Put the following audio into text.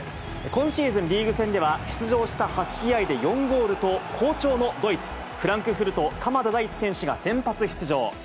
今シーズン、リーグ戦では出場した８試合で４ゴールと、好調のドイツ・フランクフルト、鎌田大地選手が先発出場。